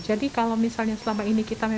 jadi kalau misalnya selama ini kita memang